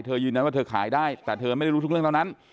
ยืนยันว่าเธอขายได้แต่เธอไม่ได้รู้ทุกเรื่องเท่านั้น